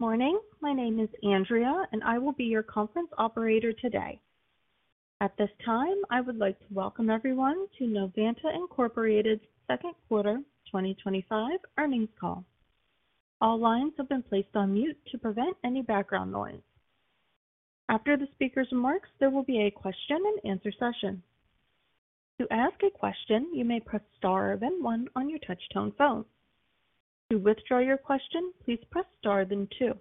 Morning. My name is Andrea, and I will be your conference operator today. At this time, I would like to welcome everyone to Novanta Incorporated's Second Quarter 2025 Earnings Call. All lines have been placed on mute to prevent any background noise. After the speaker's remarks, there will be a question and answer session. To ask a question, you may press star then one on your touch-tone phone. To withdraw your question, please press star then two.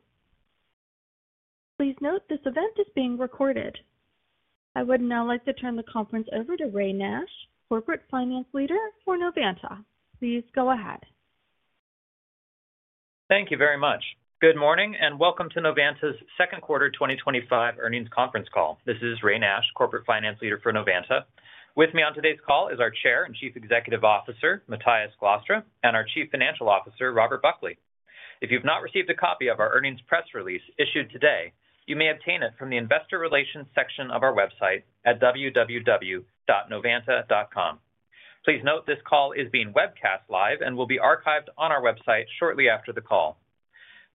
Please note this event is being recorded. I would now like to turn the conference over to Ray Nash, Corporate Finance Leader for Novanta. Please go ahead. Thank you very much. Good morning and welcome to Novanta's Second Quarter 2025 Earnings Conference Call. This is Ray Nash, Corporate Finance Leader for Novanta. With me on today's call is our Chair and Chief Executive Officer, Matthijs Glastra, and our Chief Financial Officer, Robert Buckley. If you have not received a copy of our earnings press release issued today, you may obtain it from the Investor Relations section of our website at www.novanta.com. Please note this call is being webcast live and will be archived on our website shortly after the call.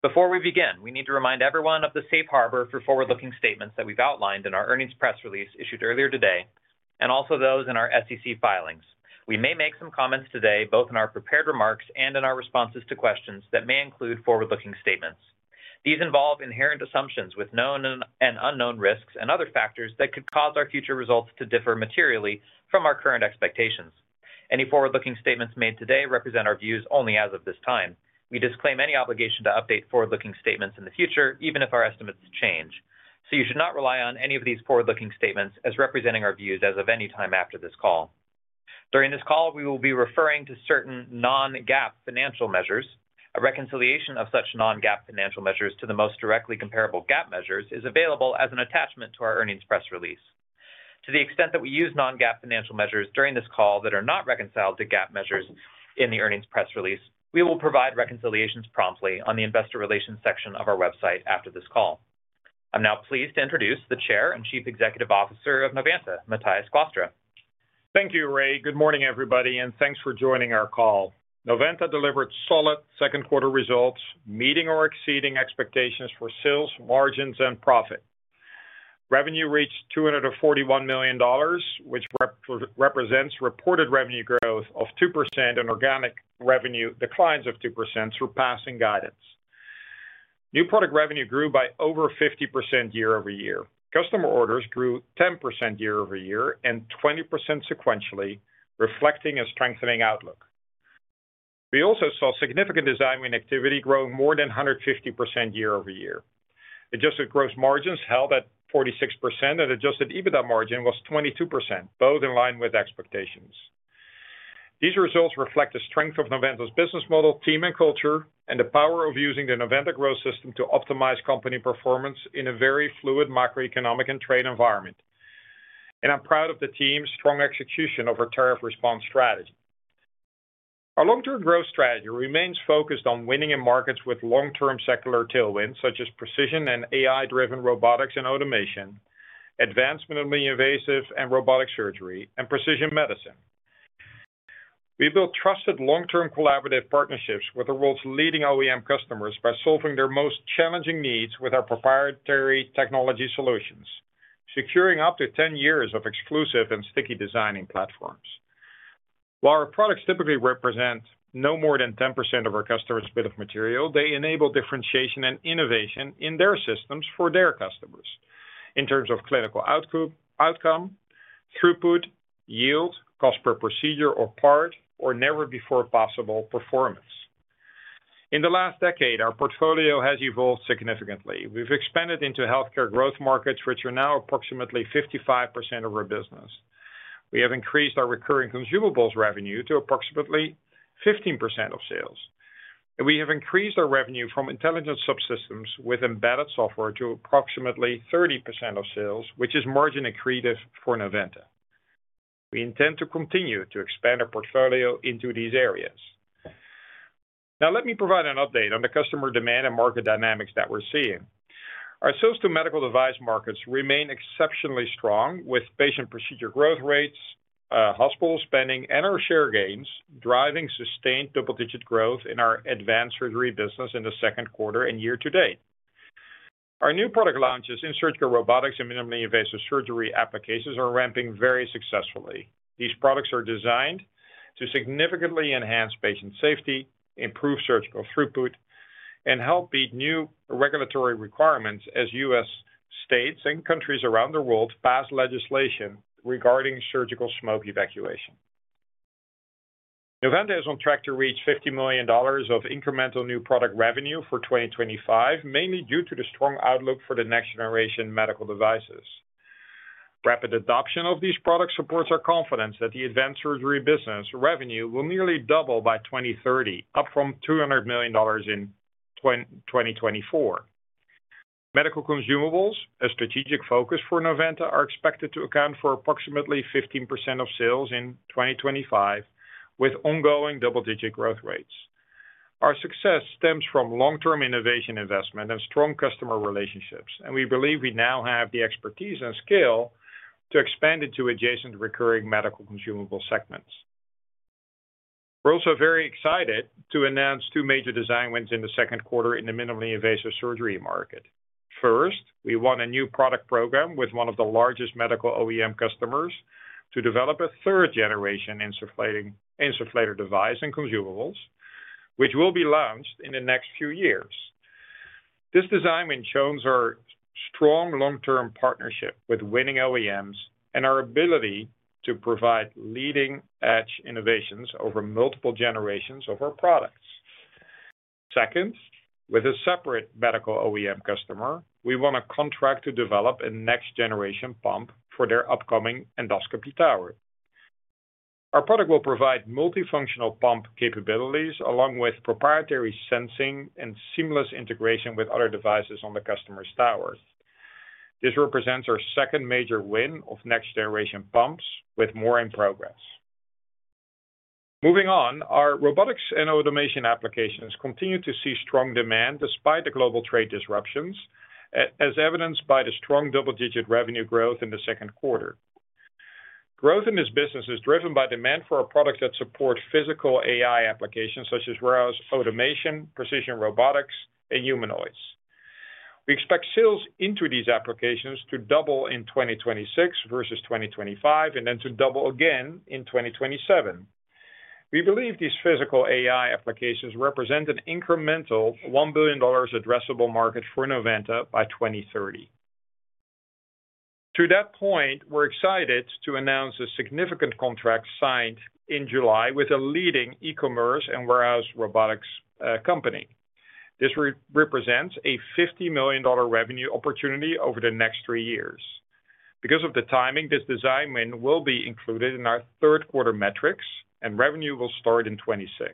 Before we begin, we need to remind everyone of the safe harbor for forward-looking statements that we've outlined in our earnings press release issued earlier today, and also those in our SEC filings. We may make some comments today, both in our prepared remarks and in our responses to questions that may include forward-looking statements. These involve inherent assumptions with known and unknown risks and other factors that could cause our future results to differ materially from our current expectations. Any forward-looking statements made today represent our views only as of this time. We disclaim any obligation to update forward-looking statements in the future, even if our estimates change. You should not rely on any of these forward-looking statements as representing our views as of any time after this call. During this call, we will be referring to certain non-GAAP financial measures. A reconciliation of such non-GAAP financial measures to the most directly comparable GAAP measures is available as an attachment to our earnings press release. To the extent that we use non-GAAP financial measures during this call that are not reconciled to GAAP measures in the earnings press release, we will provide reconciliations promptly on the Investor Relations section of our website after this call. I'm now pleased to introduce the Chair and Chief Executive Officer of Novanta, Matthijs Glastra. Thank you, Ray. Good morning, everybody, and thanks for joining our call. Novanta delivered solid second quarter results, meeting or exceeding expectations for sales, margins, and profit. Revenue reached $241 million, which represents reported revenue growth of 2% and organic revenue declines of 2%, surpassing guidance. New product revenue grew by over 50% year-over-year. Customer orders grew 10% year-over-year and 20% sequentially, reflecting a strengthening outlook. We also saw significant design win activity growing more than 150% year-over-year. Adjusted gross margins held at 46% and adjusted EBITDA margin was 22%, both in line with expectations. These results reflect the strength of Novanta's business model, team, and culture, and the power of using the Novanta Growth System to optimize company performance in a very fluid macroeconomic and trade environment. I'm proud of the team's strong execution of our tariff response strategy. Our long-term growth strategy remains focused on winning in markets with long-term secular tailwinds, such as precision and AI-driven robotics and automation, advancement of the invasive and robotic surgery, and precision medicine. We built trusted long-term collaborative partnerships with the world's leading OEM customers by solving their most challenging needs with our proprietary technology solutions, securing up to 10 years of exclusive and sticky designing platforms. While our products typically represent no more than 10% of our customers' bill of material, they enable differentiation and innovation in their systems for their customers in terms of clinical outcome, throughput, yield, cost per procedure or part, or never before possible performance. In the last decade, our portfolio has evolved significantly. We've expanded into healthcare growth markets, which are now approximately 55% of our business. We have increased our recurring consumables revenue to approximately 15% of sales. We have increased our revenue from intelligent subsystems with embedded software to approximately 30% of sales, which is margin accretive for Novanta. We intend to continue to expand our portfolio into these areas. Now, let me provide an update on the customer demand and market dynamics that we're seeing. Our sales to medical device markets remain exceptionally strong, with patient procedure growth rates, hospital spending, and our share gains driving sustained double-digit growth in our advanced surgery business in the second quarter and year to date. Our new product launches in surgical robotics and minimally invasive surgery applications are ramping very successfully. These products are designed to significantly enhance patient safety, improve surgical throughput, and help meet new regulatory requirements as U.S. states and countries around the world pass legislation regarding surgical smoke evacuation. Novanta is on track to reach $50 million of incremental new product revenue for 2025, mainly due to the strong outlook for the next-generation medical devices. Rapid adoption of these products supports our confidence that the advanced surgery business revenue will nearly double by 2030, up from $200 million in 2024. Medical consumables, a strategic focus for Novanta, are expected to account for approximately 15% of sales in 2025, with ongoing double-digit growth rates. Our success stems from long-term innovation investment and strong customer relationships, and we believe we now have the expertise and scale to expand into adjacent recurring medical consumables segments. We're also very excited to announce two major design wins in the second quarter in the minimally invasive surgery market. First, we won a new product program with one of the largest medical OEM customers to develop a third-generation insufflator device and consumables, which will be launched in the next few years. This design win shows our strong long-term partnership with leading OEMs and our ability to provide leading-edge innovations over multiple generations of our products. Second, with a separate medical OEM customer, we won a contract to develop a next-generation pump for their upcoming endoscopy tower. Our product will provide multifunctional pump capabilities, along with proprietary sensing and seamless integration with other devices on the customer's towers. This represents our second major win of next-generation pumps, with more in progress. Moving on, our robotics and automation applications continue to see strong demand despite the global trade disruptions, as evidenced by the strong double-digit revenue growth in the second quarter. Growth in this business is driven by demand for a product that supports physical AI applications, such as warehouse automation, precision robotics, and humanoids. We expect sales into these applications to double in 2026 versus 2025, and then to double again in 2027. We believe these physical AI applications represent an incremental $1 billion addressable market for Novanta by 2030. To that point, we're excited to announce a significant contract signed in July with a leading e-commerce and warehouse robotics company. This represents a $50 million revenue opportunity over the next three years. Because of the timing, this design win will be included in our third quarter metrics, and revenue will start in 2026.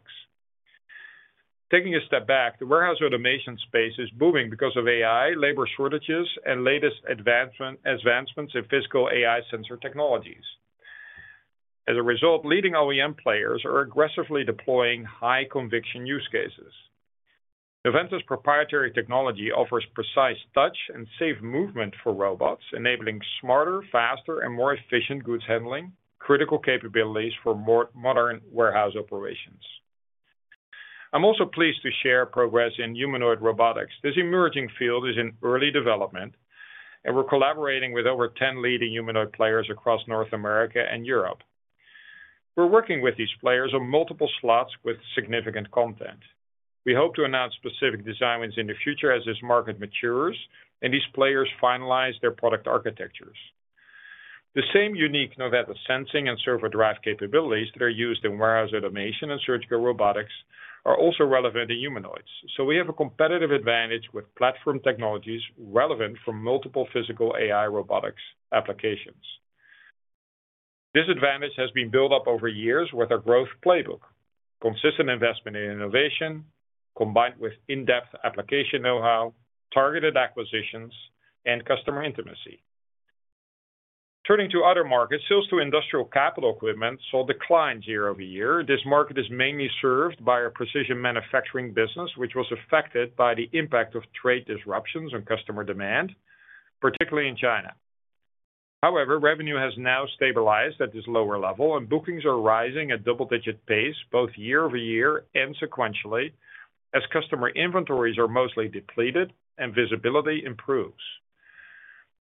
Taking a step back, the warehouse automation space is booming because of AI, labor shortages, and latest advancements in physical AI sensor technologies. As a result, leading OEM players are aggressively deploying high-conviction use cases. Novanta's proprietary technology offers precise touch and safe movement for robots, enabling smarter, faster, and more efficient goods handling, critical capabilities for more modern warehouse operations. I'm also pleased to share progress in humanoid robotics. This emerging field is in early development, and we're collaborating with over 10 leading humanoid players across North America and Europe. We're working with these players on multiple slots with significant content. We hope to announce specific design wins in the future as this market matures and these players finalize their product architectures. The same unique Novanta sensing and servo drive capabilities that are used in warehouse automation and surgical robotics are also relevant in humanoids, so we have a competitive advantage with platform technologies relevant for multiple physical AI robotics applications. This advantage has been built up over years with our growth playbook: consistent investment in innovation, combined with in-depth application know-how, targeted acquisitions, and customer intimacy. Turning to other markets, sales to industrial capital equipment saw a decline year-over-year. This market is mainly served by our precision manufacturing business, which was affected by the impact of trade disruptions and customer demand, particularly in China. However, revenue has now stabilized at this lower level, and bookings are rising at double-digit pace, both year-over-year and sequentially, as customer inventories are mostly depleted and visibility improves.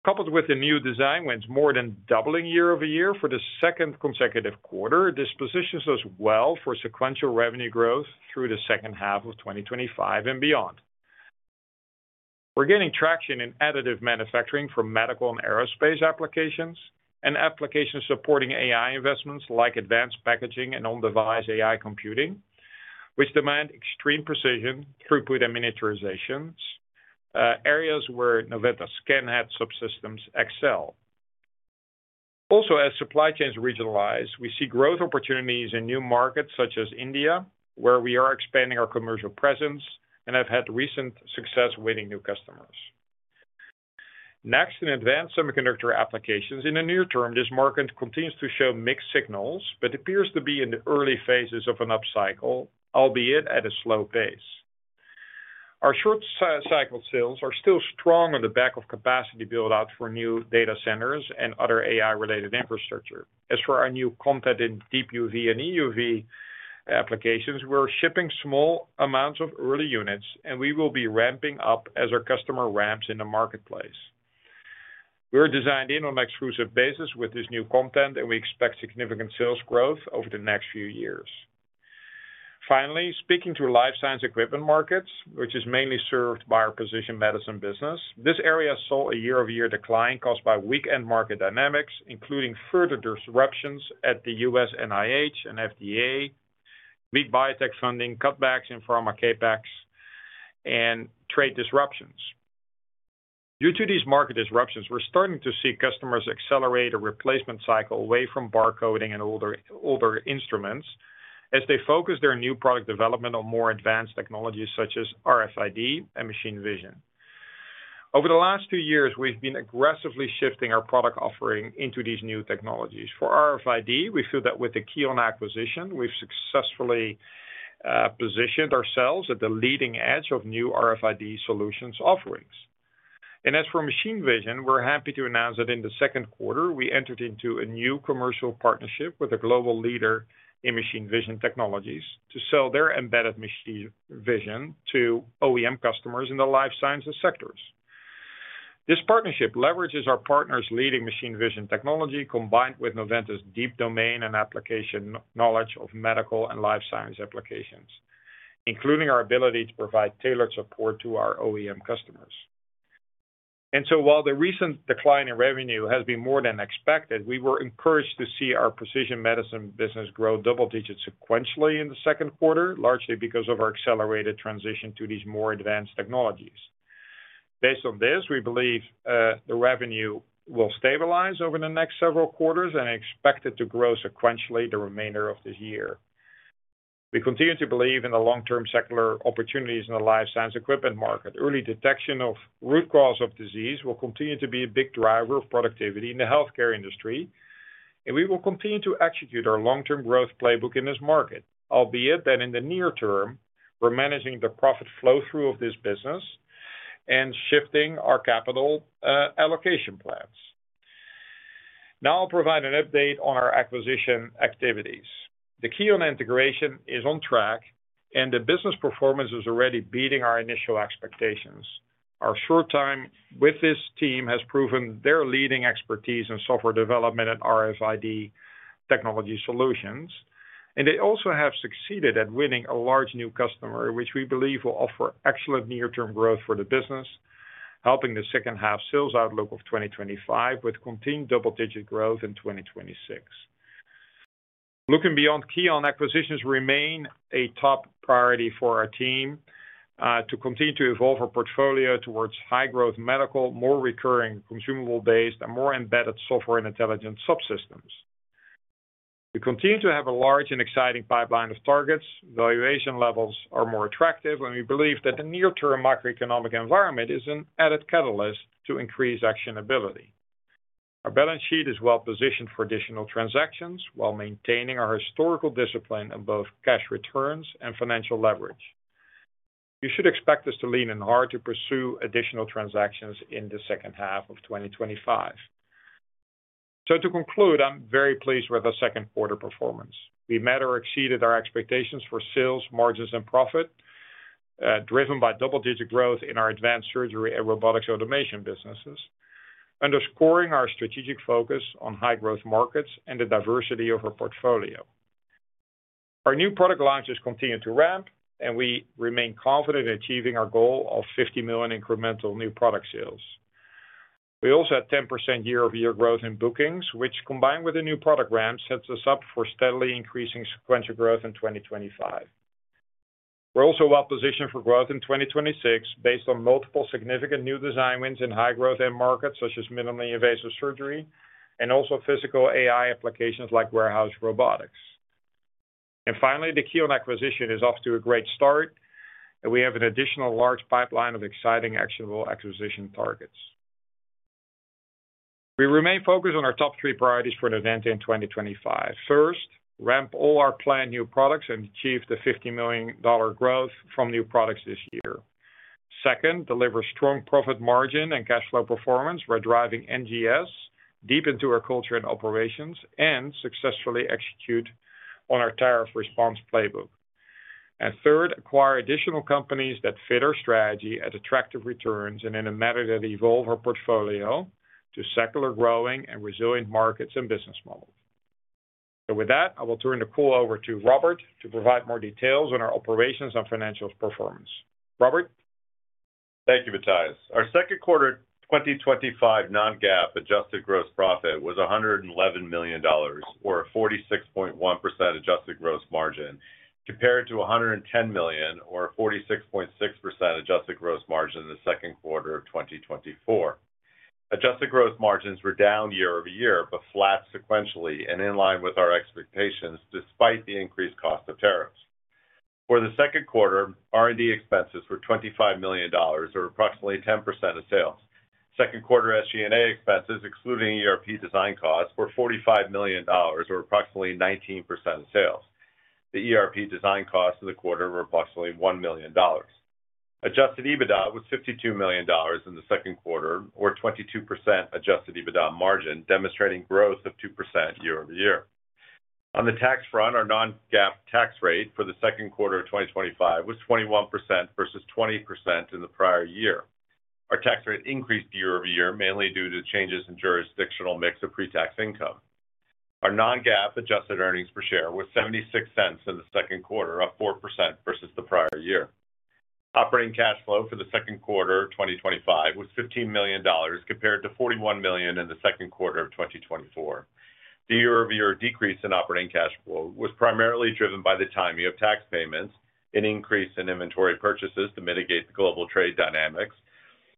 Coupled with the new design wins more than doubling year-over-year for the second consecutive quarter, this positions us well for sequential revenue growth through the second half of 2025 and beyond. We're gaining traction in additive manufacturing for medical and aerospace applications and applications supporting AI investments like advanced packaging and on-device AI computing, which demand extreme precision, throughput, and miniaturization, areas where Novanta's scan head subsystems excel. Also, as supply chains regionalize, we see growth opportunities in new markets such as India, where we are expanding our commercial presence and have had recent success winning new customers. Next, in advanced semiconductor applications, in the near term, this market continues to show mixed signals, but appears to be in the early phases of an upcycle, albeit at a slow pace. Our short-cycled sales are still strong on the back of capacity build-out for new data centers and other AI-related infrastructure. As for our new content in deep UV and EUV applications, we're shipping small amounts of early units, and we will be ramping up as our customer ramps in the marketplace. We're designed in on an exclusive basis with this new content, and we expect significant sales growth over the next few years. Finally, speaking to life science equipment markets, which is mainly served by our precision medicine business, this area saw a year-over-year decline caused by weakened market dynamics, including further disruptions at the U.S. NIH and FDA, big biotech funding cutbacks in pharma CapEx, and trade disruptions. Due to these market disruptions, we're starting to see customers accelerate a replacement cycle away from barcoding and older instruments as they focus their new product development on more advanced technologies such as RFID and machine vision. Over the last two years, we've been aggressively shifting our product offering into these new technologies. For RFID, we feel that with the Keonn acquisition, we've successfully positioned ourselves at the leading edge of new RFID solutions offerings. As for machine vision, we're happy to announce that in the second quarter, we entered into a new commercial partnership with a global leader in machine vision technologies to sell their embedded machine vision to OEM customers in the life sciences sectors. This partnership leverages our partner's leading machine vision technology, combined with Novanta's deep domain and application knowledge of medical and life science applications, including our ability to provide tailored support to our OEM customers. While the recent decline in revenue has been more than expected, we were encouraged to see our precision medicine business grow double-digit sequentially in the second quarter, largely because of our accelerated transition to these more advanced technologies. Based on this, we believe the revenue will stabilize over the next several quarters and expect it to grow sequentially the remainder of this year. We continue to believe in the long-term secular opportunities in the life science equipment market. Early detection of root causes of disease will continue to be a big driver of productivity in the healthcare industry, and we will continue to execute our long-term growth playbook in this market, albeit that in the near term, we're managing the profit flow-through of this business and shifting our capital allocation plans. Now I'll provide an update on our acquisition activities. The Keonn integration is on track, and the business performance is already beating our initial expectations. Our short time with this team has proven their leading expertise in software development and RFID technology solutions, and they also have succeeded at winning a large new customer, which we believe will offer excellent near-term growth for the business, helping the second half sales outlook of 2025 with continued double-digit growth in 2026. Looking beyond Keonn, acquisitions remain a top priority for our team to continue to evolve our portfolio towards high-growth medical, more recurring consumable-based, and more embedded software and intelligent subsystems. We continue to have a large and exciting pipeline of targets. Valuation levels are more attractive, and we believe that the near-term macroeconomic environment is an added catalyst to increase actionability. Our balance sheet is well positioned for additional transactions while maintaining our historical discipline in both cash returns and financial leverage. You should expect us to lean in hard to pursue additional transactions in the second half of 2025. To conclude, I'm very pleased with our second quarter performance. We met or exceeded our expectations for sales, margins, and profit, driven by double-digit growth in our advanced surgery and robotics automation businesses, underscoring our strategic focus on high-growth markets and the diversity of our portfolio. Our new product launches continue to ramp, and we remain confident in achieving our goal of $50 million incremental new product sales. We also had 10% year-over-year growth in bookings, which, combined with the new product ramps, sets us up for steadily increasing sequential growth in 2025. We're also well positioned for growth in 2026 based on multiple significant new design wins in high-growth markets such as minimally invasive surgery and also physical AI applications like warehouse robotics. The Keonn acquisition is off to a great start, and we have an additional large pipeline of exciting actionable acquisition targets. We remain focused on our top three priorities for Novanta in 2025. First, ramp all our planned new products and achieve the $50 million growth from new products this year. Second, deliver strong profit margin and cash flow performance by driving NGS deep into our culture and operations and successfully execute on our tariff response playbook. Third, acquire additional companies that fit our strategy at attractive returns and in a manner that evolves our portfolio to secular growing and resilient markets and business models. With that, I will turn the call over to Robert to provide more details on our operations and financials performance. Robert? Thank you, Matthijs. Our second quarter 2025 non-GAAP adjusted gross profit was $111 million, or a 46.1% adjusted gross margin, compared to $110 million, or a 46.6% adjusted gross margin in the second quarter of 2024. Adjusted gross margins were down year-over-year, but flat sequentially and in line with our expectations, despite the increased cost of tariffs. For the second quarter, R&D expenses were $25 million, or approximately 10% of sales. Second quarter SG&A expenses, excluding ERP design costs, were $45 million, or approximately 19% of sales. The ERP design costs of the quarter were approximately $1 million. Adjusted EBITDA was $52 million in the second quarter, or 22% adjusted EBITDA margin, demonstrating growth of 2% year-over-year. On the tax front, our non-GAAP tax rate for the second quarter of 2025 was 21% versus 20% in the prior year. Our tax rate increased year-over-year, mainly due to changes in jurisdictional mix of pre-tax income. Our non-GAAP adjusted earnings per share was $0.76 in the second quarter, up 4% versus the prior year. Operating cash flow for the second quarter of 2025 was $15 million, compared to $41 million in the second quarter of 2024. The year-over-year decrease in operating cash flow was primarily driven by the timing of tax payments, an increase in inventory purchases to mitigate the global trade dynamics,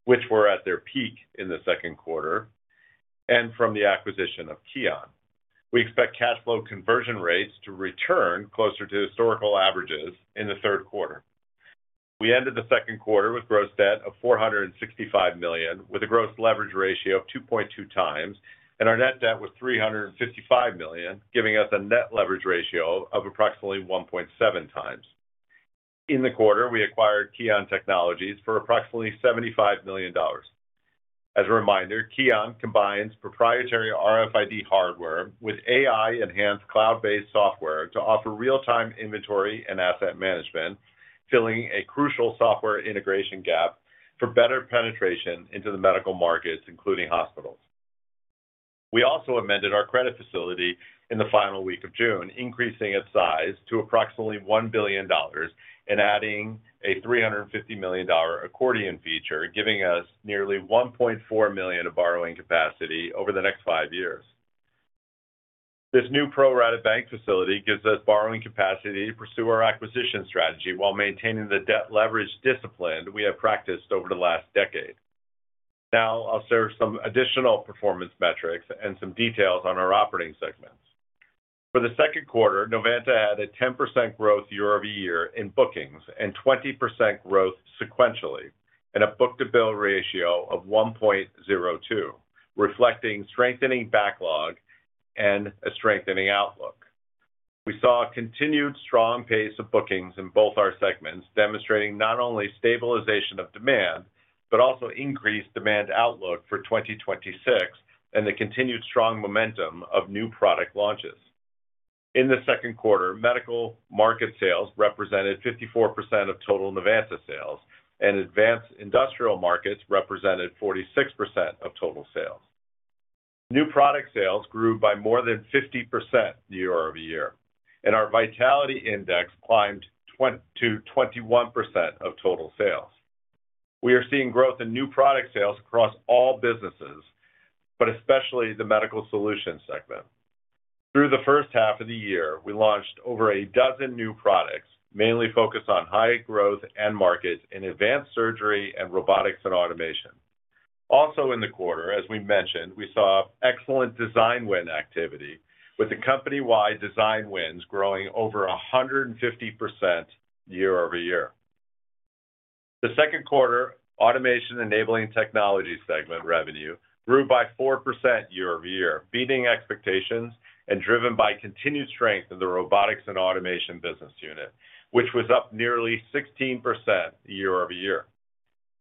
which were at their peak in the second quarter, and from the acquisition of Keonn. We expect cash flow conversion rates to return closer to historical averages in the third quarter. We ended the second quarter with gross debt of $465 million, with a gross leverage ratio of 2.2x, and our net debt was $355 million, giving us a net leverage ratio of approximately 1.7x. In the quarter, we acquired Keonn for approximately $75 million. As a reminder, Keonn combines proprietary RFID hardware with AI-enhanced cloud-based software to offer real-time inventory and asset management, filling a crucial software integration gap for better penetration into the medical markets, including hospitals. We also amended our credit facility in the final week of June, increasing its size to approximately $1 billion and adding a $350 million accordion feature, giving us nearly $1.4 million of borrowing capacity over the next five years. This new pro-rated bank facility gives us borrowing capacity to pursue our acquisition strategy while maintaining the debt leverage discipline we have practiced over the last decade. Now, I'll share some additional performance metrics and some details on our operating segments. For the second quarter, Novanta had a 10% growth year-over-year in bookings and 20% growth sequentially, and a book-to-bill ratio of 1.02, reflecting strengthening backlog and a strengthening outlook. We saw a continued strong pace of bookings in both our segments, demonstrating not only stabilization of demand but also increased demand outlook for 2026 and the continued strong momentum of new product launches. In the second quarter, medical market sales represented 54% of total Novanta sales, and advanced industrial markets represented 46% of total sales. New product sales grew by more than 50% year-over-year, and our vitality index climbed to 21% of total sales. We are seeing growth in new product sales across all businesses, but especially the medical solutions segment. Through the first half of the year, we launched over a dozen new products, mainly focused on high growth end markets in advanced surgery and robotics and automation. Also in the quarter, as we mentioned, we saw excellent design win activity, with the company-wide design wins growing over 150% year-over-year. The second quarter, automation enabling technology segment revenue grew by 4% year-over-year, beating expectations and driven by continued strength in the robotics and automation business unit, which was up nearly 16% year-over-year.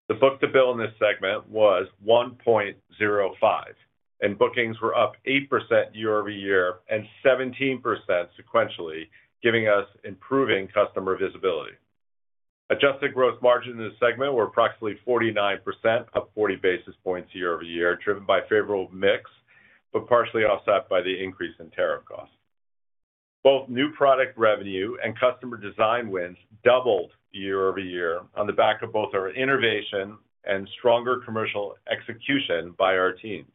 The book-to-bill in this segment was 1.05, and bookings were up 8% year-over-year and 17% sequentially, giving us improving customer visibility. Adjusted growth margins in this segment were approximately 49%, up 40 basis points year-over-year, driven by favorable mix but partially offset by the increase in tariff costs. Both new product revenue and customer design wins doubled year-over-year on the back of both our innovation and stronger commercial execution by our teams.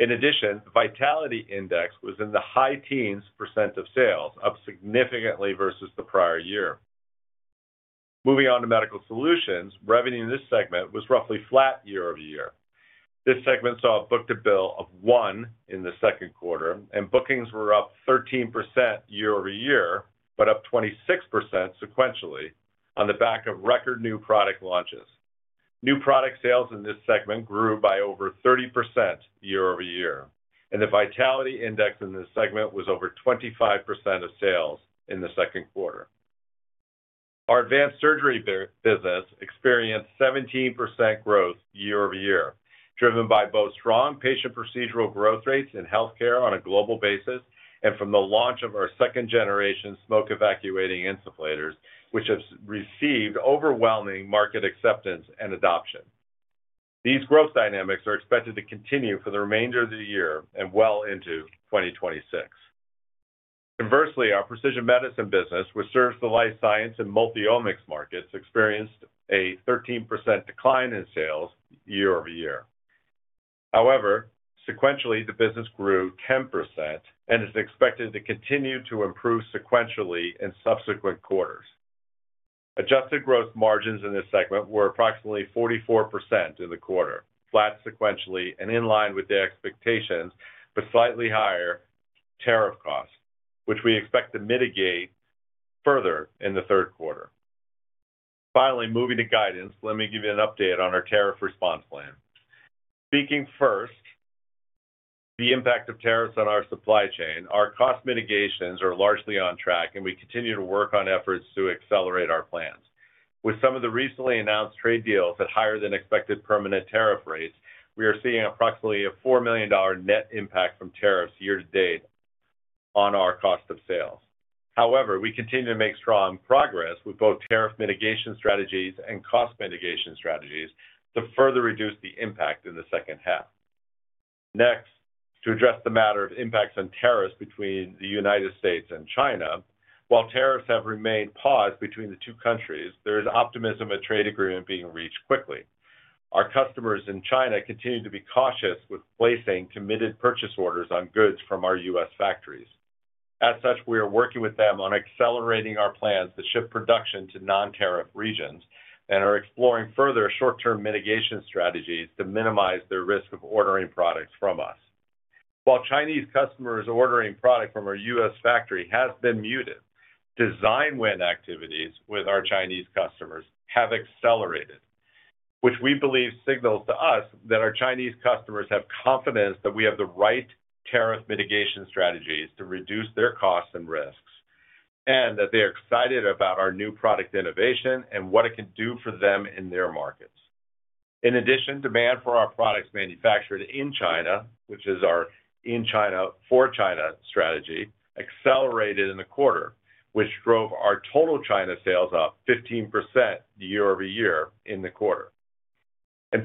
In addition, the vitality index was in the high teens percent of sales, up significantly versus the prior year. Moving on to medical solutions, revenue in this segment was roughly flat year-over-year. This segment saw a book-to-bill of one in the second quarter, and bookings were up 13% year-over-year, but up 26% sequentially on the back of record new product launches. New product sales in this segment grew by over 30% year-over-year, and the vitality index in this segment was over 25% of sales in the second quarter. Our advanced surgery business experienced 17% growth year-over-year, driven by both strong patient procedural growth rates in healthcare on a global basis and from the launch of our second-generation smoke evacuating insufflators, which have received overwhelming market acceptance and adoption. These growth dynamics are expected to continue for the remainder of the year and well into 2026. Conversely, our precision medicine business, which serves the life science and multi-omics markets, experienced a 13% decline in sales year-over-year. However, sequentially, the business grew 10% and is expected to continue to improve sequentially in subsequent quarters. Adjusted gross margins in this segment were approximately 44% in the quarter, flat sequentially and in line with the expectations, but slightly higher tariff costs, which we expect to mitigate further in the third quarter. Finally, moving to guidance, let me give you an update on our tariff response plan. Speaking first, the impact of tariffs on our supply chain, our cost mitigations are largely on track, and we continue to work on efforts to accelerate our plans. With some of the recently announced trade deals at higher than expected permanent tariff rates, we are seeing approximately a $4 million net impact from tariffs year to date on our cost of sales. However, we continue to make strong progress with both tariff mitigation strategies and cost mitigation strategies to further reduce the impact in the second half. Next, to address the matter of impacts on tariffs between the U.S. and China, while tariffs have remained paused between the two countries, there is optimism a trade agreement being reached quickly. Our customers in China continue to be cautious with placing committed purchase orders on goods from our U.S. factories. As such, we are working with them on accelerating our plans to shift production to non-tariff regions and are exploring further short-term mitigation strategies to minimize the risk of ordering products from us. While Chinese customers ordering product from our U.S. factory has been muted, design win activities with our Chinese customers have accelerated, which we believe signals to us that our Chinese customers have confidence that we have the right tariff mitigation strategies to reduce their costs and risks, and that they are excited about our new product innovation and what it can do for them in their markets. In addition, demand for our products manufactured in China, which is our in China for China strategy, accelerated in the quarter, which drove our total China sales up 15% year-over-year in the quarter.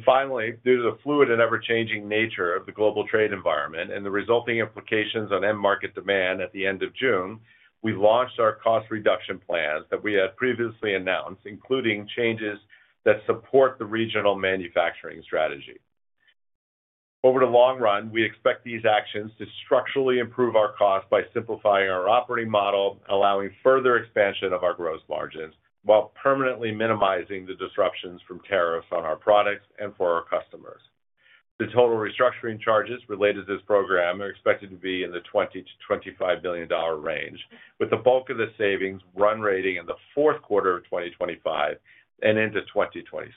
Finally, due to the fluid and ever-changing nature of the global trade environment and the resulting implications on end market demand at the end of June, we launched our cost reduction plans that we had previously announced, including changes that support the regional manufacturing strategy. Over the long run, we expect these actions to structurally improve our costs by simplifying our operating model, allowing further expansion of our gross margins while permanently minimizing the disruptions from tariffs on our products and for our customers. The total restructuring charges related to this program are expected to be in the $20 million-$25 million range, with the bulk of the savings run rating in the fourth quarter of 2025 and into 2026.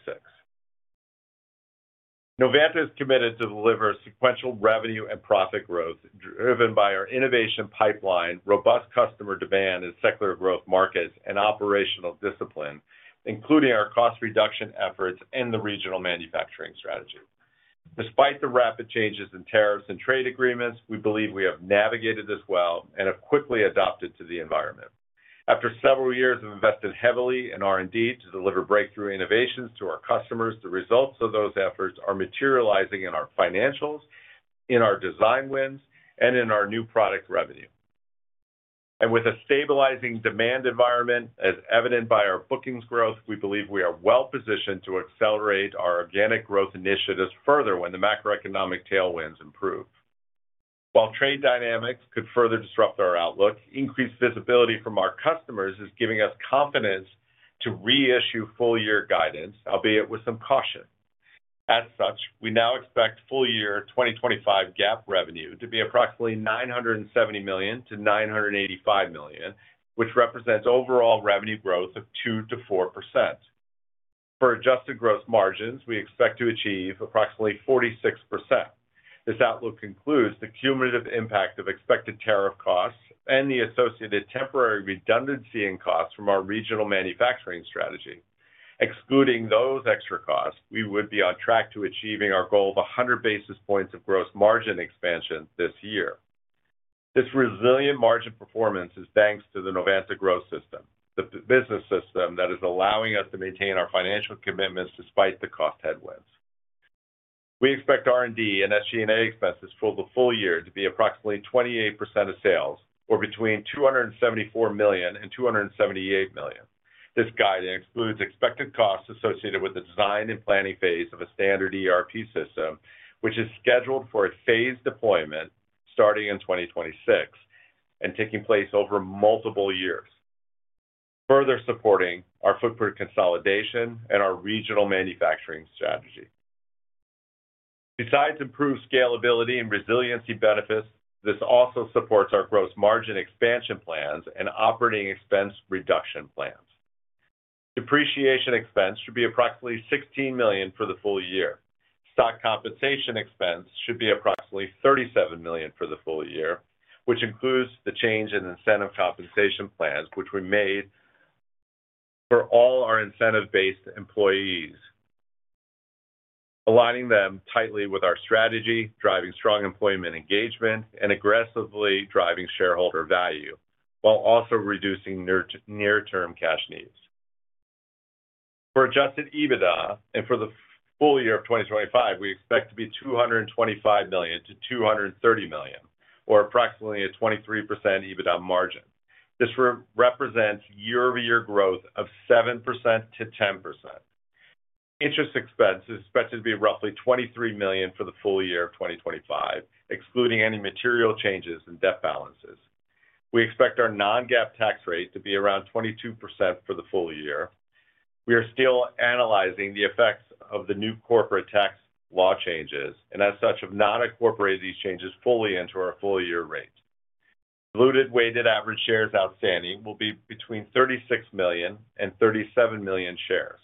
Novanta is committed to deliver sequential revenue and profit growth driven by our innovation pipeline, robust customer demand in secular growth markets, and operational discipline, including our cost reduction efforts and the regional manufacturing strategy. Despite the rapid changes in tariffs and trade agreements, we believe we have navigated this well and have quickly adapted to the environment. After several years of investing heavily in R&D to deliver breakthrough innovations to our customers, the results of those efforts are materializing in our financials, in our design wins, and in our new product revenue. With a stabilizing demand environment, as evident by our bookings growth, we believe we are well positioned to accelerate our organic growth initiatives further when the macroeconomic tailwinds improve. While trade dynamics could further disrupt our outlook, increased visibility from our customers is giving us confidence to reissue full-year guidance, albeit with some caution. As such, we now expect full-year 2025 GAAP revenue to be approximately $970 million-$985 million, which represents overall revenue growth of 2%-4%. For adjusted gross margins, we expect to achieve approximately 46%. This outlook includes the cumulative impact of expected tariff costs and the associated temporary redundancy in costs from our regional manufacturing strategy. Excluding those extra costs, we would be on track to achieving our goal of 100 basis points of gross margin expansion this year. This resilient margin performance is thanks to the Novanta Growth System, the business system that is allowing us to maintain our financial commitments despite the cost headwinds. We expect R&D and SG&A expenses for the full year to be approximately 28% of sales, or between $274 million and $278 million. This guidance includes expected costs associated with the design and planning phase of a standard ERP system, which is scheduled for a phased deployment starting in 2026 and taking place over multiple years, further supporting our footprint consolidation and our regional manufacturing strategy. Besides improved scalability and resiliency benefits, this also supports our gross margin expansion plans and operating expense reduction plans. Depreciation expense should be approximately $16 million for the full year. Stock compensation expense should be approximately $37 million for the full year, which includes the change in incentive compensation plans, which we made for all our incentive-based employees, aligning them tightly with our strategy, driving strong employment engagement and aggressively driving shareholder value, while also reducing near-term cash needs. For adjusted EBITDA and for the full year of 2025, we expect to be $225 million-$230 million, or approximately a 23% EBITDA margin. This represents year-over-year growth of 7%-10%. Interest expense is expected to be roughly $23 million for the full year of 2025, excluding any material changes in debt balances. We expect our non-GAAP tax rate to be around 22% for the full year. We are still analyzing the effects of the new corporate tax law changes, and as such, have not incorporated these changes fully into our full-year rate. Diluted weighted average shares outstanding will be between 36 million and 37 million shares.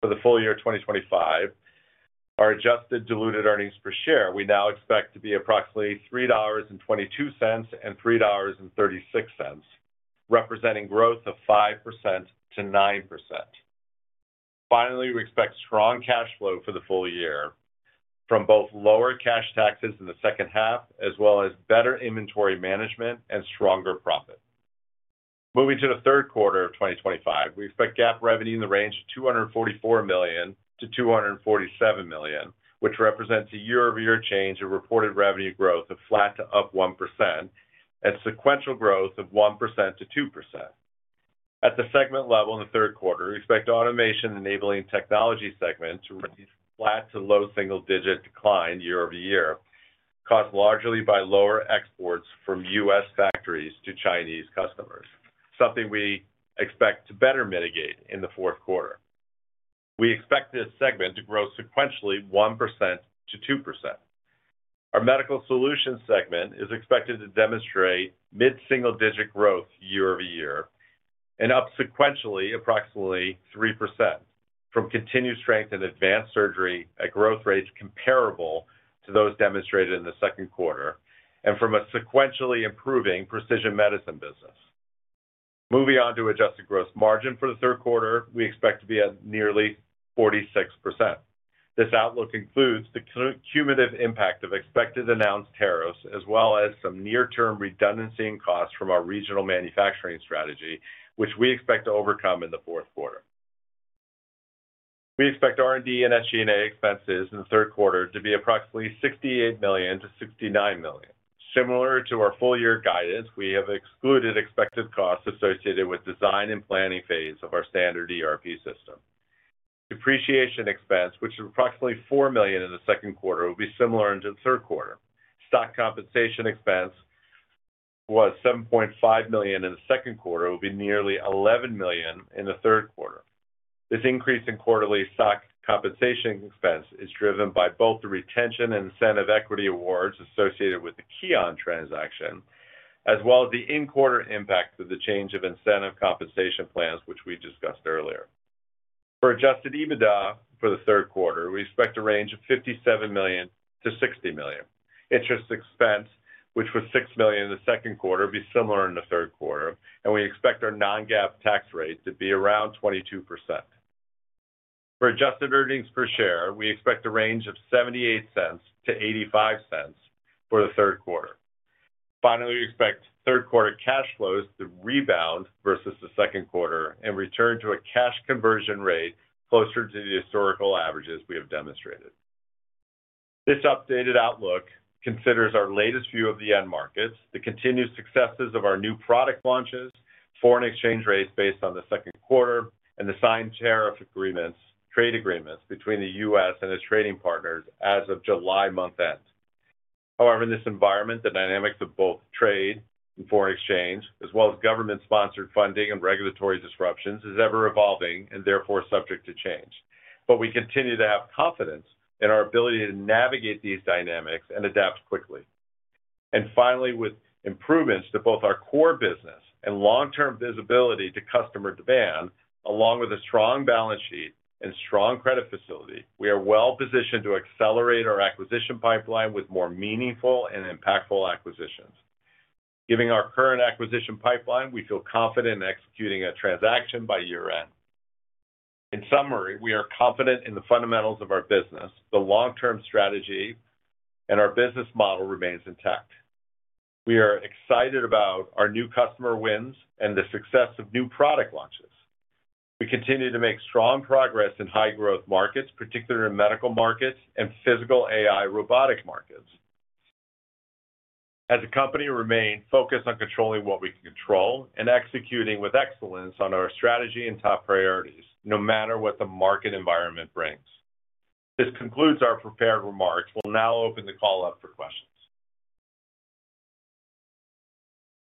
For the full year of 2025, our adjusted diluted earnings per share we now expect to be approximately $3.22 and $3.36, representing growth of 5%-9%. Finally, we expect strong cash flow for the full year from both lower cash taxes in the second half, as well as better inventory management and stronger profit. Moving to the third quarter of 2025, we expect GAAP revenue in the range of $244 million-$247 million, which represents a year-over-year change in reported revenue growth of flat to up 1% and sequential growth of 1%-2%. At the segment level in the third quarter, we expect the Automation Enabling Technology segment to range flat to low single-digit decline year-over-year, caused largely by lower exports from U.S. factories to Chinese customers, something we expect to better mitigate in the fourth quarter. We expect this segment to grow sequentially 1%-2%. Our Medical Solutions segment is expected to demonstrate mid-single-digit growth year-over-year and up sequentially approximately 3% from continued strength in advanced surgery at growth rates comparable to those demonstrated in the second quarter and from a sequentially improving precision medicine business. Moving on to adjusted gross margin for the third quarter, we expect to be at nearly 46%. This outlook includes the cumulative impact of expected announced tariffs, as well as some near-term redundancy in costs from our regional manufacturing strategy, which we expect to overcome in the fourth quarter. We expect R&D and SG&A expenses in the third quarter to be approximately $68 million-$69 million. Similar to our full-year guidance, we have excluded expected costs associated with the design and planning phase of our standard ERP system. Depreciation expense, which is approximately $4 million in the second quarter, will be similar in the third quarter. Stock compensation expense was $7.5 million in the second quarter; it will be nearly $11 million in the third quarter. This increase in quarterly stock compensation expense is driven by both the retention and incentive equity awards associated with the Keonn transaction, as well as the in-quarter impact with the change of incentive compensation plans, which we discussed earlier. For adjusted EBITDA for the third quarter, we expect a range of $57 million-$60 million. Interest expense, which was $6 million in the second quarter, will be similar in the third quarter, and we expect our non-GAAP tax rate to be around 22%. For adjusted earnings per share, we expect a range of $0.78 to $0.85 for the third quarter. Finally, we expect third quarter cash flows to rebound versus the second quarter and return to a cash conversion rate closer to the historical averages we have demonstrated. This updated outlook considers our latest view of the end markets, the continued successes of our new product launches, foreign exchange rates based on the second quarter, and the signed tariff agreements, trade agreements between the U.S. and its trading partners as of July month end. However, in this environment, the dynamics of both trade and foreign exchange, as well as government-sponsored funding and regulatory disruptions, are ever-evolving and therefore subject to change. We continue to have confidence in our ability to navigate these dynamics and adapt quickly. Finally, with improvements to both our core business and long-term visibility to customer demand, along with a strong balance sheet and strong credit facility, we are well positioned to accelerate our acquisition pipeline with more meaningful and impactful acquisitions. Given our current acquisition pipeline, we feel confident in executing a transaction by year end. In summary, we are confident in the fundamentals of our business, the long-term strategy, and our business model remains intact. We are excited about our new customer wins and the success of new product launches. We continue to make strong progress in high-growth markets, particularly in medical markets and physical AI robotics markets. As a company, we remain focused on controlling what we can control and executing with excellence on our strategy and top priorities, no matter what the market environment brings. This concludes our prepared remarks. We'll now open the call up for questions.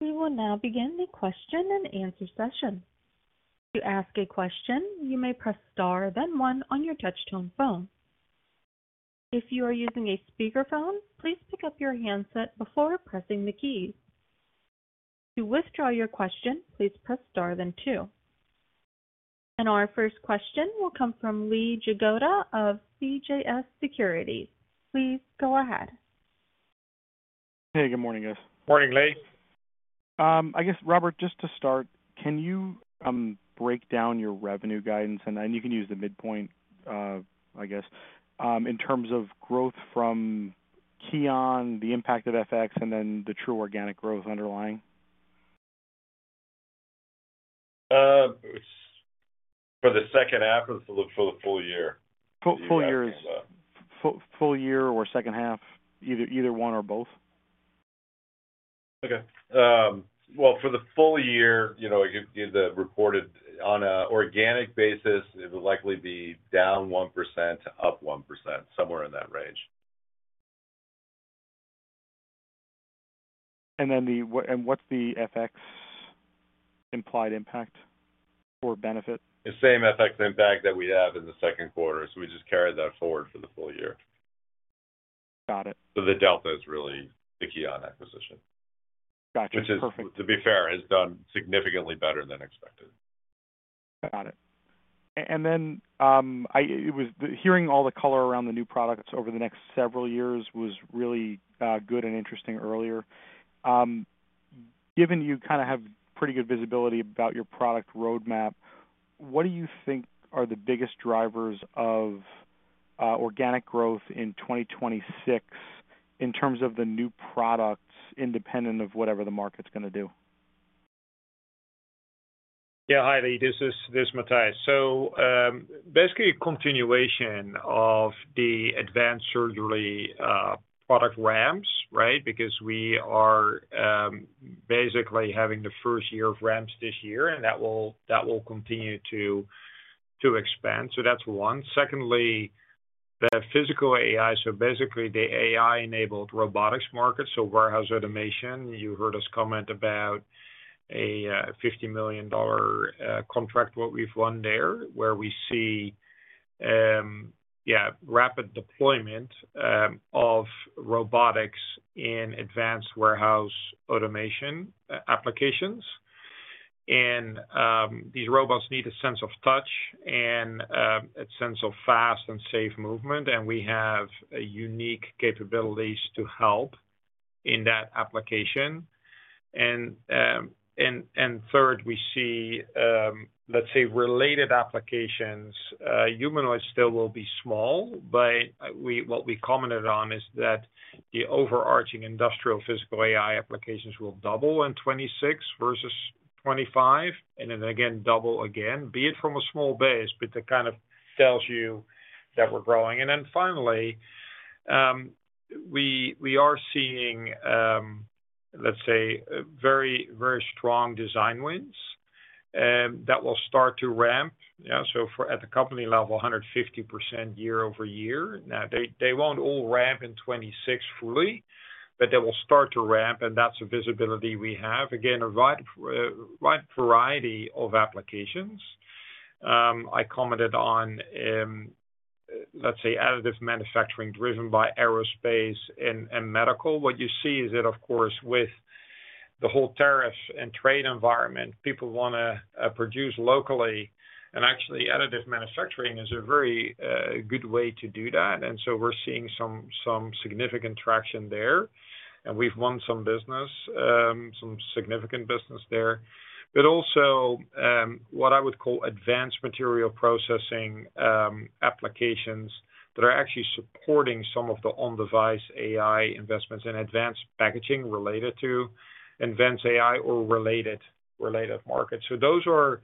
We will now begin the question and answer session. To ask a question, you may press star, then one on your touch-tone phone. If you are using a speaker phone, please pick up your handset before pressing the keys. To withdraw your question, please press star, then two. Our first question will come from Lee Jagoda of CJS Securities. Please go ahead. Hey, good morning, guys. Morning, Lee. I guess, Robert, just to start, can you break down your revenue guidance? You can use the midpoint, I guess, in terms of growth from Keonn, the impact of FX, and then the true organic growth underlying? it for the second half or for the full year? Full year or second half, either one or both. Okay. For the full year, you know, the reported on an organic basis, it will likely be down 1% to up 1%, somewhere in that range. What's the FX implied impact or benefit? The same FX impact that we have in the second quarter, we just carried that forward for the full year. Got it. The delta is really the Keonn acquisition. Gotcha. Perfect. Which is, to be fair, has done significantly better than expected. Got it. I was hearing all the color around the new products over the next several years was really good and interesting earlier. Given you kind of have pretty good visibility about your product roadmap, what do you think are the biggest drivers of organic growth in 2026 in terms of the new products independent of whatever the market's going to do? Yeah, hi, Lee. This is Matthijs. Basically, continuation of the advanced surgery product ramps, right? We are basically having the first year of ramps this year, and that will continue to expand. That's one. Secondly, the physical AI, basically the AI-enabled robotics market, warehouse automation. You heard us comment about a $50 million contract we've won there, where we see rapid deployment of robotics in advanced warehouse automation applications. These robots need a sense of touch and a sense of fast and safe movement, and we have unique capabilities to help in that application. Third, we see, let's say, related applications. Humanoids still will be small, but what we commented on is that the overarching industrial physical AI applications will double in 2026 versus 2025, and then again, double again, be it from a small base, but that kind of tells you that we're growing. Finally, we are seeing, let's say, very, very strong design wins that will start to ramp. For at the company level, 150% year-over-year. Now, they won't all ramp in 2026 fully, but they will start to ramp, and that's a visibility we have. Again, a wide variety of applications. I commented on, let's say, additive manufacturing driven by aerospace and medical. What you see is that, of course, with the whole tariff and trade environment, people want to produce locally, and actually, additive manufacturing is a very good way to do that. We're seeing some significant traction there, and we've won some business, some significant business there. Also, what I would call advanced material processing, applications that are actually supporting some of the on-device AI investments in advanced packaging related to advanced AI or related markets. Those are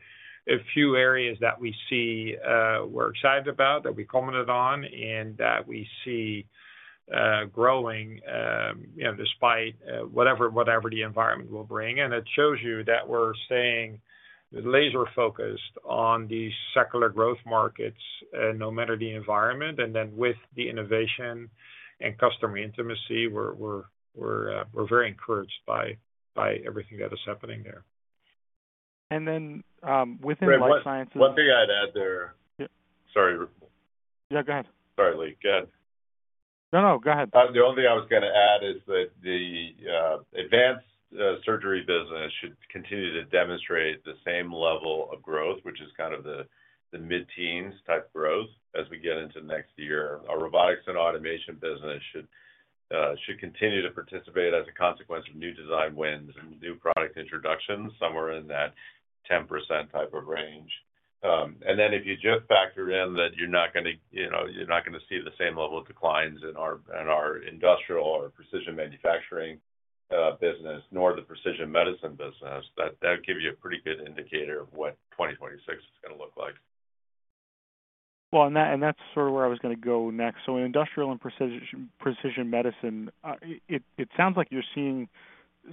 a few areas that we see, we're excited about, that we commented on, and that we see growing, you know, despite whatever the environment will bring. It shows you that we're staying laser-focused on these secular growth markets, no matter the environment. With the innovation and customer intimacy, we're very encouraged by everything that is happening there. Within life sciences. One thing I'd add there. Yeah. Sorry. Yeah, go ahead. Sorry, Lee. Go ahead. No, go ahead. The only thing I was going to add is that the advanced surgery business should continue to demonstrate the same level of growth, which is kind of the mid-teens type growth as we get into next year. Our robotics and automation business should continue to participate as a consequence of new design wins and new product introductions, somewhere in that 10% type of range. If you just factor in that you're not going to see the same level of declines in our industrial or precision manufacturing business, nor the precision medicine business, that would give you a pretty good indicator of what 2026 is going to look like. That's sort of where I was going to go next. In industrial and precision medicine, it sounds like you're seeing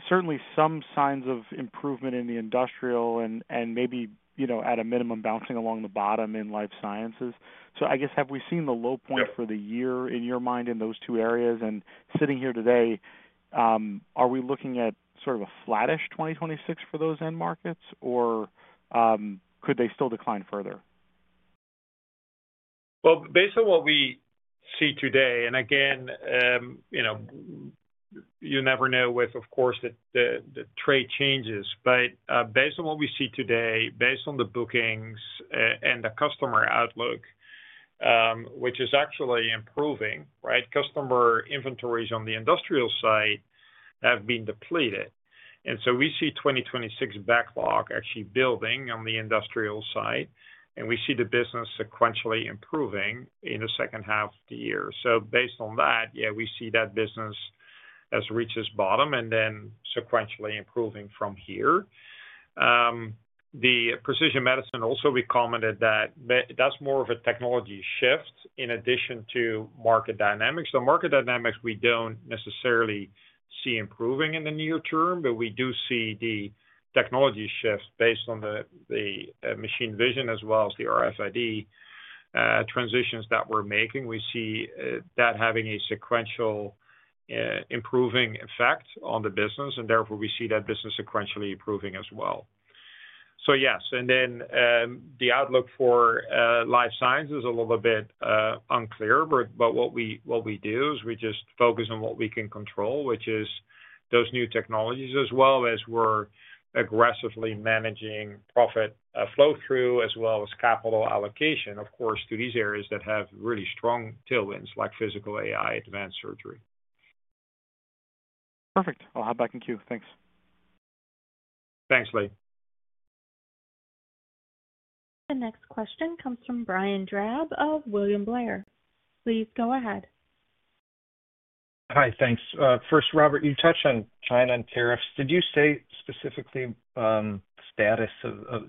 certainly some signs of improvement in the industrial and maybe, you know, at a minimum bouncing along the bottom in life sciences. I guess have we seen the low point for the year in your mind in those two areas? Sitting here today, are we looking at sort of a flattish 2026 for those end markets, or could they still decline further? Based on what we see today, and again, you know, you never know with, of course, the trade changes, but based on what we see today, based on the bookings and the customer outlook, which is actually improving, right? Customer inventories on the industrial side have been depleted, and we see 2026 backlog actually building on the industrial side. We see the business sequentially improving in the second half of the year. Based on that, yeah, we see that business has reached its bottom and then sequentially improving from here. The precision medicine also, we commented that that's more of a technology shift in addition to market dynamics. The market dynamics we don't necessarily see improving in the near term, but we do see the technology shift based on the machine vision as well as the RFID transitions that we're making. We see that having a sequential improving effect on the business, and therefore we see that business sequentially improving as well. Yes. The outlook for life science is a little bit unclear, but what we do is we just focus on what we can control, which is those new technologies as well as we're aggressively managing profit flow-through as well as capital allocation, of course, to these areas that have really strong tailwinds like physical AI advanced surgery. Perfect. I'll hop back in queue. Thanks. Thanks, Lee. The next question comes from Brian Drab of William Blair. Please go ahead. Hi, thanks. First, Robert, you touched on China and tariffs. Did you say specifically status?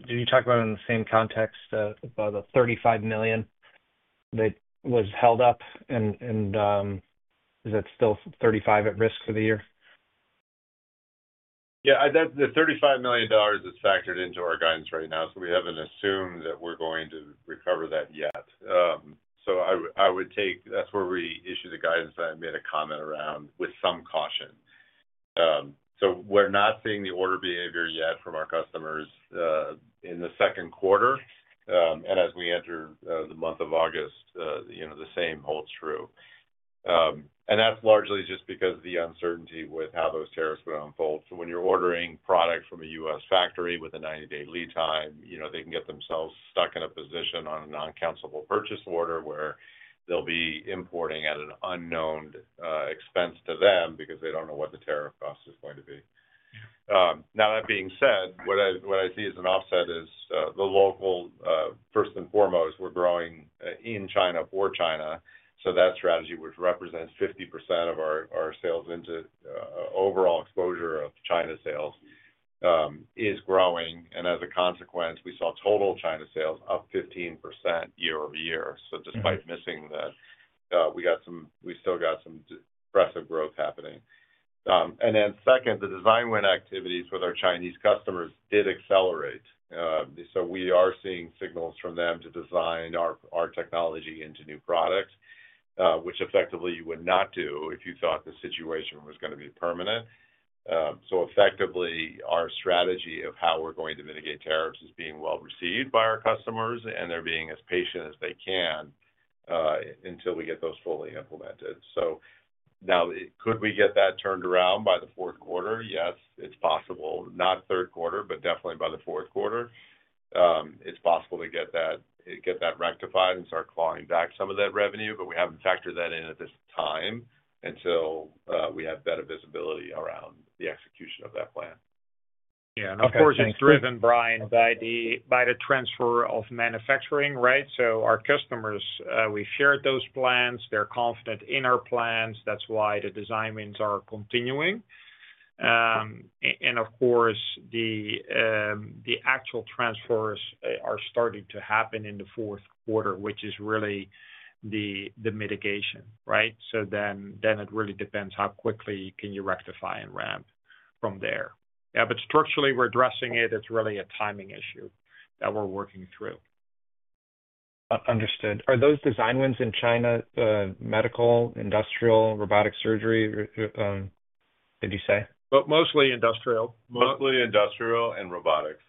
Did you talk about it in the same context about the $35 million that was held up? Is it still $35 million at risk for the year? Yeah, the $35 million is factored into our guidance right now. We haven't assumed that we're going to recover that yet. That's where we issued the guidance that I made a comment around with some caution. We're not seeing the order behavior yet from our customers in the second quarter. As we enter the month of August, the same holds true. That's largely just because of the uncertainty with how those tariffs would unfold. When you're ordering product from a U.S. factory with a 90-day lead time, they can get themselves stuck in a position on a non-cancelable purchase order where they'll be importing at an unknown expense to them because they don't know what the tariff cost is going to be. That being said, what I see as an offset is the local, first and foremost, we're growing in China for China. That strategy, which represents 50% of our sales into overall exposure of China sales, is growing. As a consequence, we saw total China sales up 15% year-over-year. Despite missing that, we still got some impressive growth happening. Second, the design win activities with our Chinese customers did accelerate. We are seeing signals from them to design our technology into new product, which effectively you would not do if you thought the situation was going to be permanent. Effectively, our strategy of how we're going to mitigate tariffs is being well received by our customers, and they're being as patient as they can until we get those fully implemented. Could we get that turned around by the fourth quarter? Yes, it's possible. Not third quarter, but definitely by the fourth quarter. It's possible to get that rectified and start clawing back some of that revenue, but we haven't factored that in at this time until we have better visibility around the execution of that plan. Yeah, it's driven, Brian, by the transfer of manufacturing, right? Our customers, we shared those plans. They're confident in our plans. That's why the design wins are continuing. The actual transfers are starting to happen in the fourth quarter, which is really the mitigation, right? It really depends how quickly you can rectify and ramp from there. Structurally, we're addressing it. It's really a timing issue that we're working through. Understood. Are those design wins in China, medical, industrial, robotic surgery, did you say? Mostly industrial and robotics.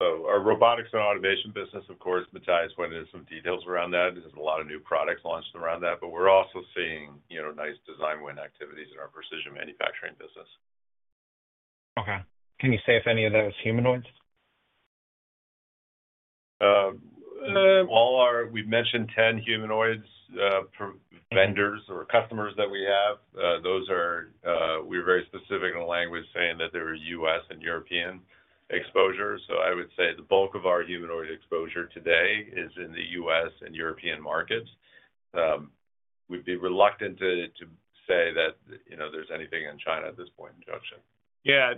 Our robotics and automation business, of course, Matthijs went into some details around that. There are a lot of new products launched around that, but we're also seeing nice design win activities in our precision manufacturing business. Okay. Can you say if any of those humanoids? All our, we've mentioned 10 humanoids for vendors or customers that we have. Those are, we're very specific in the language saying that they're U.S. and European exposure. I would say the bulk of our humanoid exposure today is in the U.S. and European markets. We'd be reluctant to say that, you know, there's anything in China at this point in junction. Yeah,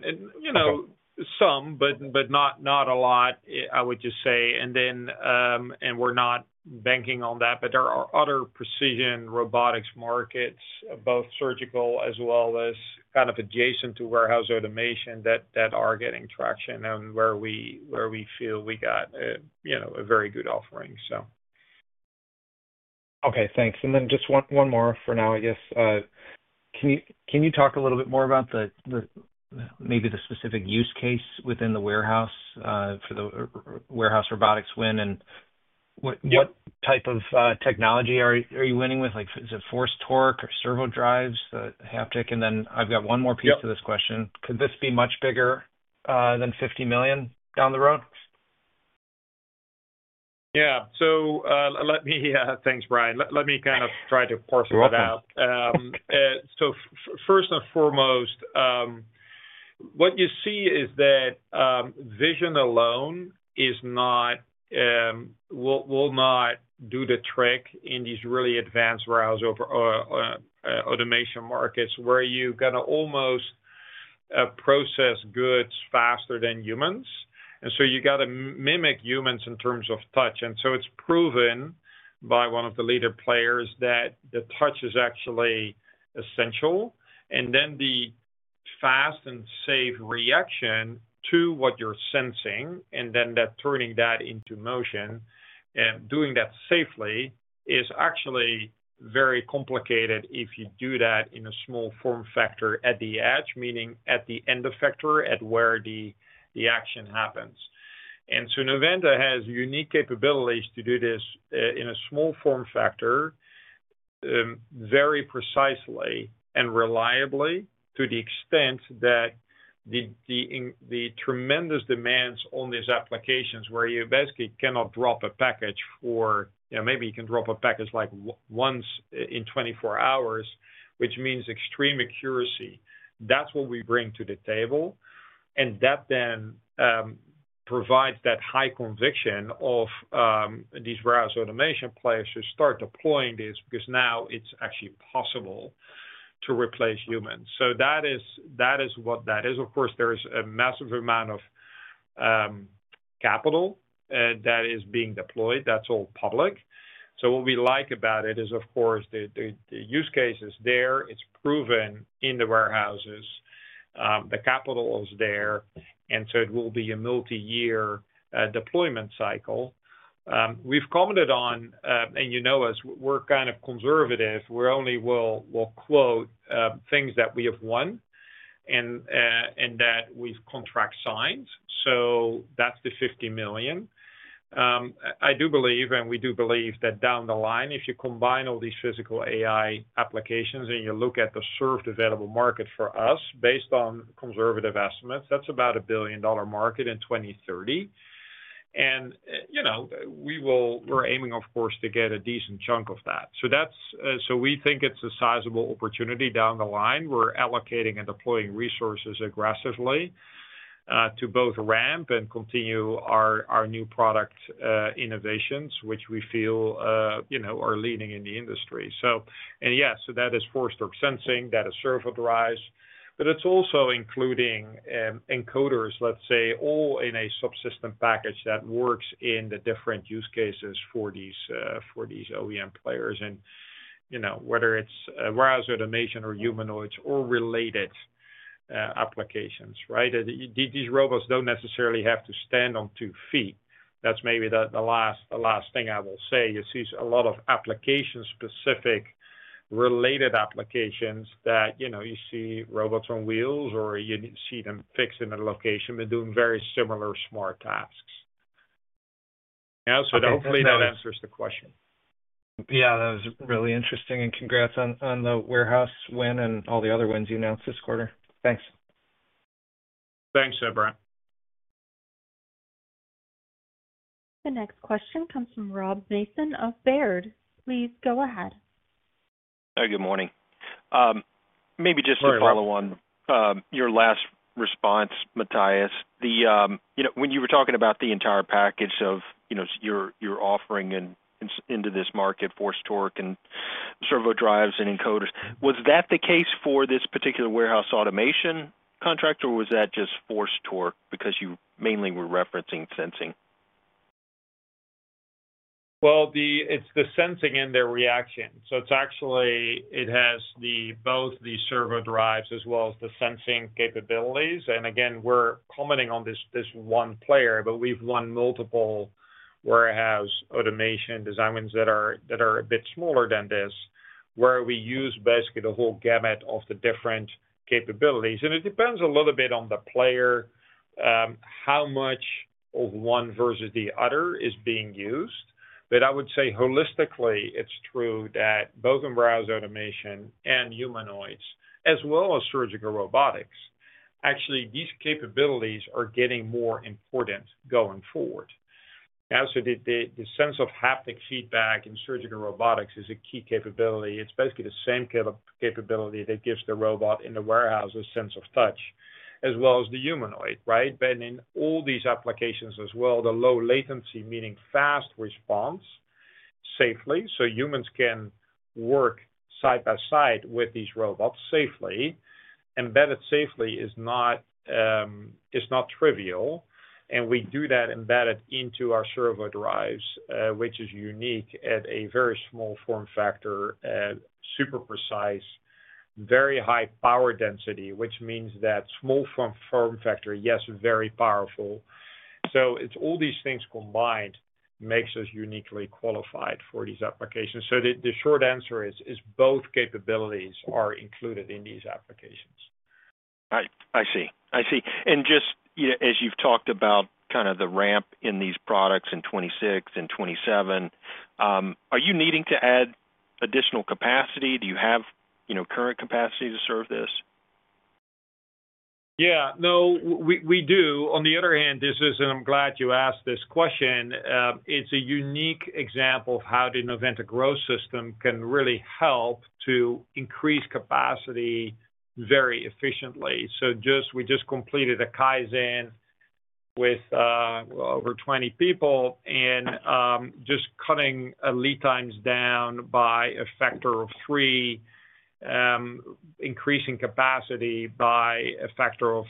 some, but not a lot, I would just say. We're not banking on that, but there are other precision robotics markets, both surgical as well as kind of adjacent to warehouse automation, that are getting traction and where we feel we got a very good offering. Okay. Thanks. Just one more for now, I guess. Can you talk a little bit more about maybe the specific use case within the warehouse for the warehouse robotics win and what type of technology are you winning with? Like, is it force torque or servo drives, the haptic? I've got one more piece to this question. Could this be much bigger than $50 million down the road? Yeah, thanks, Brian. Let me kind of try to parse that out. You're welcome. First and foremost, what you see is that vision alone will not do the trick in these really advanced warehouse automation markets where you're going to almost process goods faster than humans. You have to mimic humans in terms of touch. It's proven by one of the leader players that the touch is actually essential. The fast and safe reaction to what you're sensing, and then turning that into motion and doing that safely, is actually very complicated if you do that in a small form factor at the edge, meaning at the end of the factor where the action happens. Novanta has unique capabilities to do this in a small form factor very precisely and reliably to the extent that the tremendous demands on these applications, where you basically cannot drop a package for, you know, maybe you can drop a package like once in 24 hours, which means extreme accuracy. That's what we bring to the table. That then provides that high conviction of these warehouse automation players to start deploying this because now it's actually possible to replace humans. That is what that is. There is a massive amount of capital that is being deployed. That's all public. What we like about it is, of course, the use case is there. It's proven in the warehouses. The capital is there. It will be a multi-year deployment cycle. We've commented on, and you know us, we're kind of conservative. We only will quote things that we have won and that we've contract signed. That's the $50 million. I do believe, and we do believe that down the line, if you combine all these physical AI applications and you look at the served available market for us, based on conservative estimates, that's about a $1 billion market in 2030. We are aiming, of course, to get a decent chunk of that. We think it's a sizable opportunity down the line. We're allocating and deploying resources aggressively to both ramp and continue our new product innovations, which we feel are leading in the industry. That is force or sensing, that is servo drives. It's also including encoders, let's say, all in a subsystem package that works in the different use cases for these OEM players. Whether it's warehouse automation or humanoids or related applications, these robots don't necessarily have to stand on two feet. That's maybe the last thing I will say. You see a lot of application-specific related applications where you see robots on wheels or you see them fixed in a location, but doing very similar smart tasks. Hopefully that answers the question. Yeah, that was really interesting. Congratulations on the warehouse win and all the other wins you announced this quarter. Thanks. Thanks. The next question comes from Rob Mason of Baird. Please go ahead. Hey, good morning. Maybe just to follow on your last response, Matthijs, when you were talking about the entire package of, you know, your offering into this market, force torque and servo drives and encoders, was that the case for this particular warehouse automation contract, or was that just force torque because you mainly were referencing sensing? It's the sensing and the reaction. It has both the servo drives as well as the sensing capabilities. Again, we're commenting on this one player, but we've won multiple warehouse automation design wins that are a bit smaller than this, where we use basically the whole gamut of the different capabilities. It depends a little bit on the player, how much of one versus the other is being used. I would say holistically, it's true that both in warehouse automation and humanoids, as well as surgical robotics, these capabilities are getting more important going forward. The sense of haptic feedback in surgical robotics is a key capability. It's basically the same capability that gives the robot in the warehouse a sense of touch, as well as the humanoid, right? In all these applications as well, the low latency, meaning fast response safely, so humans can work side by side with these robots safely. Embedded safety is not trivial. We do that embedded into our servo drives, which is unique at a very small form factor, super precise, very high power density, which means that small form factor, yes, very powerful. All these things combined make us uniquely qualified for these applications. The short answer is both capabilities are included in these applications. Right. I see. As you've talked about the ramp in these products in 2026 and 2027, are you needing to add additional capacity? Do you have current capacity to serve this? Yeah. No, we do. On the other hand, this is, and I'm glad you asked this question, it's a unique example of how the Novanta Growth System can really help to increase capacity very efficiently. We just completed a Kaizen with over 20 people, just cutting lead times down by a factor of three, increasing capacity by a factor of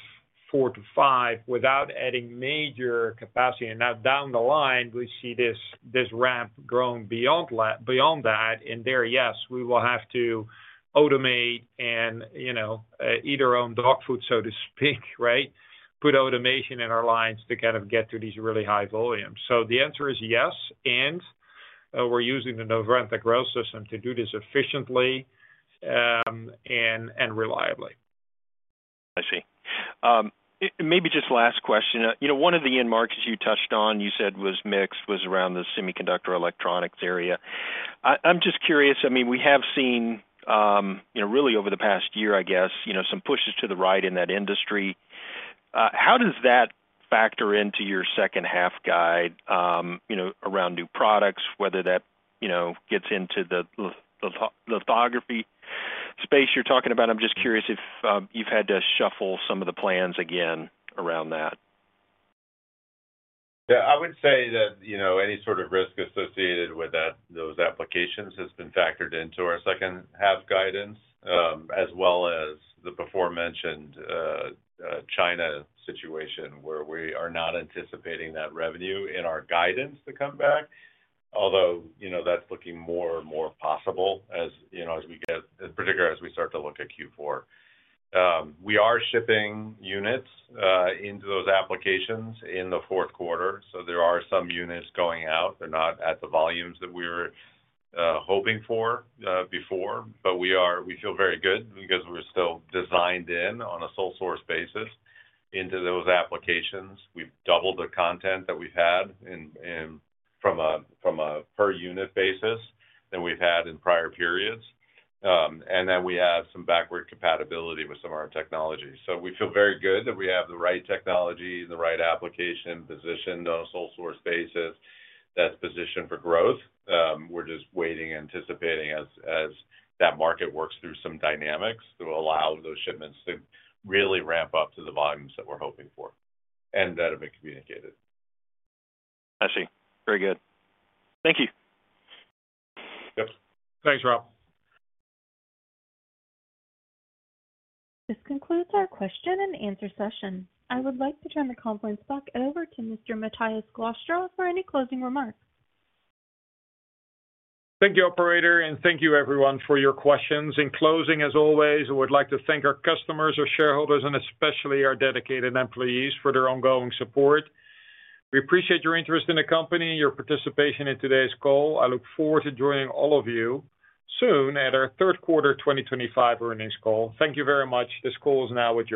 four to five without adding major capacity. Down the line, we see this ramp growing beyond that. Yes, we will have to automate and, you know, eat our own dog food, so to speak, right? Put automation in our lines to kind of get through these really high volumes. The answer is yes. We're using the Novanta Growth System to do this efficiently and reliably. I see. Maybe just last question. One of the end markets you touched on, you said was mixed, was around the semiconductor electronics area. I'm just curious. We have seen, really over the past year, I guess, some pushes to the right in that industry. How does that factor into your second half guide around new products, whether that gets into the lithography space you're talking about? I'm just curious if you've had to shuffle some of the plans again around that. I would say that any sort of risk associated with those applications has been factored into our second half guidance, as well as the before-mentioned China situation where we are not anticipating that revenue in our guidance to come back. Although that's looking more and more possible, particularly as we start to look at Q4. We are shipping units into those applications in the fourth quarter. There are some units going out. They're not at the volumes that we were hoping for before, but we feel very good because we're still designed in on a sole source basis into those applications. We've doubled the content that we've had in from a per-unit basis than we've had in prior periods, and we have some backward compatibility with some of our technology. We feel very good that we have the right technology and the right application positioned on a sole source basis that's positioned for growth. We're just waiting, anticipating as that market works through some dynamics to allow those shipments to really ramp up to the volumes that we're hoping for and that have been communicated. I see. Very good. Thank you. Yep, thanks, Rob. This concludes our question and answer session. I would like to turn the conference back over to Mr. Matthijs Glastra for any closing remarks. Thank you, operator, and thank you, everyone, for your questions. In closing, as always, I would like to thank our customers, our shareholders, and especially our dedicated employees for their ongoing support. We appreciate your interest in the company and your participation in today's call. I look forward to joining all of you soon at our third quarter 2025 earnings call. Thank you very much. This call is now with.